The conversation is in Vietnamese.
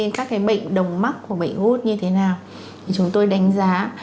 nên các cái bệnh đồng mắc của bệnh gút như thế nào thì chúng tôi đánh giá